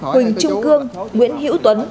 huỳnh trung cương nguyễn hữu tuấn